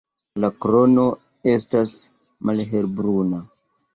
La krono estas malhelbruna.